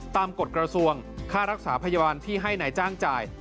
กฎกระทรวงค่ารักษาพยาบาลที่ให้นายจ้างจ่าย